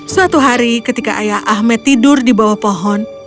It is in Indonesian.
suatu hari ketika ayah ahmed tidur di bawah pohon